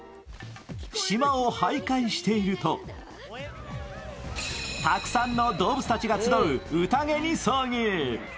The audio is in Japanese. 島をはいかいしていると、たくさんの動物たちが集う宴に遭遇。